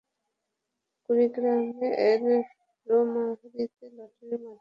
কুড়িগ্রামের রৌমারীতে লটারির মাধ্যমে নির্বাচন করে খাদ্যবান্ধব কর্মসূচির পরিবেশক নিয়োগ দেওয়া হয়েছে।